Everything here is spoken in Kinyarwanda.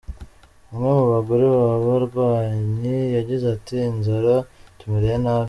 Umwe mu bagore b’aba barwanyi yagize ati “Inzara itumereye nabi.